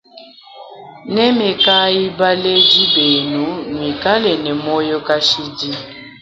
Nemekayi baledi benu nuikale ne moyo kashidi.